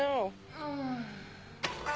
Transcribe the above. うん？